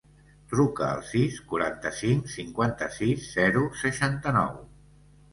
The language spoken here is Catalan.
Truca al sis, quaranta-cinc, cinquanta-sis, zero, seixanta-nou.